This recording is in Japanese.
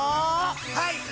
はい！